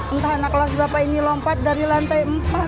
entah anak kelas bapak ini lompat dari lantai empat